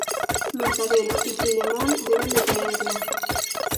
Mortadelo y Filemón deben detenerlo.